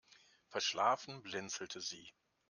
Verschlafen blinzelte sie.